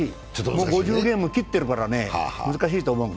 もう５０ゲーム切ってるから難しいと思う。